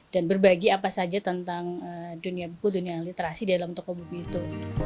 dan berbagi apa saja tentang dunia buku dunia literasi di dalam toko buku itu